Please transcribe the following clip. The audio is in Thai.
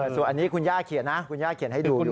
ส่วนอันนี้คุณย่าเขียนนะคุณย่าเขียนให้ดูด้วย